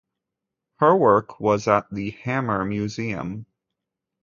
Her work was at the Hammer Museum.